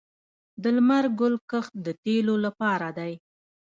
د لمر ګل کښت د تیلو لپاره دی